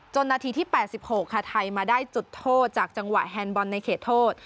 นาทีที่๘๖ค่ะไทยมาได้จุดโทษจากจังหวะแฮนดบอลในเขตโทษ